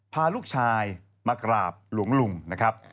พาลูกชายมากราบหลวงลุงนะครับ